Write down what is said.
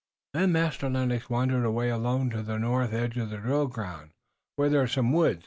Then Master Lennox wandered away alone to the north edge of the drill ground, where there are some woods.